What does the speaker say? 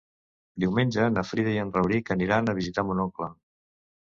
Diumenge na Frida i en Rauric aniran a visitar mon oncle.